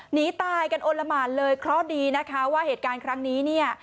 หนีตายกันโอละหมานเลยเคราะห์ดีนะคะว่าเหตุการณ์ครั้งนี้เนี่ย